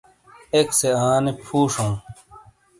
ایک سے آنے فُو شَوں۔